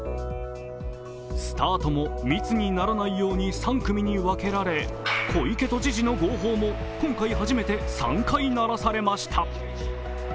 スタートも密にならないように３組に分けられ小池都知事の号砲も今回初めて３回鳴らされました。